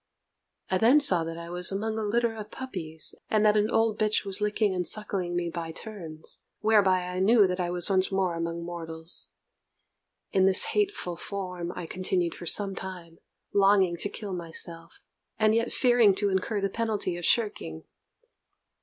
I then saw that I was among a litter of puppies, and that an old bitch was licking and suckling me by turns; whereby I knew that I was once more among mortals. In this hateful form I continued for some time, longing to kill myself, and yet fearing to incur the penalty of shirking.